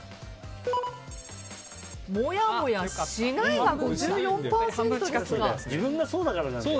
もやもやしないが５４％です。